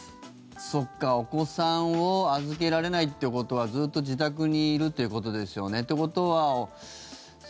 そっか、お子さんを預けられないってことはずっと自宅にいるということですよね。